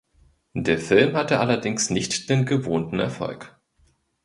Der Film hatte allerdings nicht den gewohnten Erfolg.